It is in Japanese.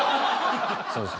そうです。